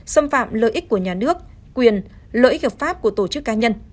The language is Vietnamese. xâm phạm lợi ích của nhà nước quyền lợi ích hợp pháp của tổ chức cá nhân